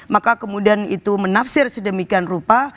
maka kemudian itu menafsir sedemikian rupa